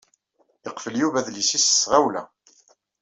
Yeqfel Yuba adlis-is s tɣawla.